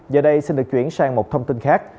giờ đây xin được chuyển sang một thông tin khác